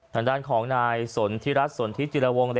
ทางด้านของนายสนทิรัฐสนทิจิรวงศ์